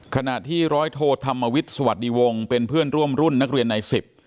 ขณะที่ร้อยโทธรรมวิทย์สวัสดีวงศ์เป็นเพื่อนร่วมรุ่นนักเรียนในสิบ